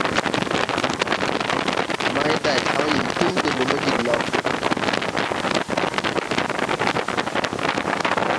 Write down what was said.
Mayday kan yii túm de lumo jiglaw.